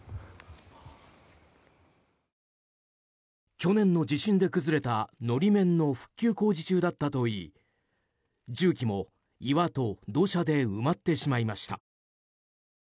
去年の地震で崩れた法面の復旧工事中だったといい重機も岩と土砂で埋まってしまいました。